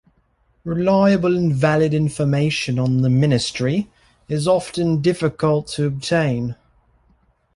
Reliable and valid information on the ministry is often difficult to obtain.